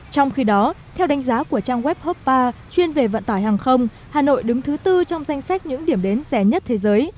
trong khi đó theo đánh giá của trang web hpa chuyên về vận tải hàng không hà nội đứng thứ tư trong danh sách những điểm đến rẻ nhất thế giới